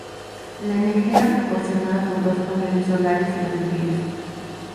La energía era proporcionada por dos paneles solares y baterías.